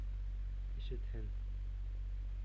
Ишетһен.